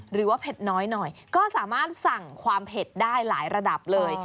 เผ็ดน้อยหน่อยก็สามารถสั่งความเผ็ดได้หลายระดับเลย